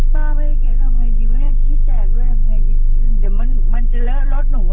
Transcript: ท่านกลับมาจากก็สะสายเอาลูก